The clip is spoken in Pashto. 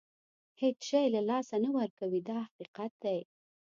هېڅ شی له لاسه نه ورکوي دا حقیقت دی.